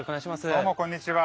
どうもこんにちは。